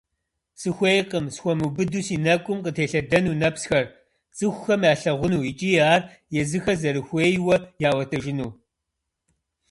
Сыхуейкъым схуэмыубыду си нэкӀум къытелъэдэну нэпсхэр цӀыхухэм ялъагъуну икӀи ар езыхэр зэрыхуейуэ яӀуэтэжыну.